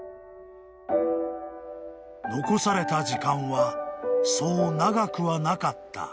［残された時間はそう長くはなかった］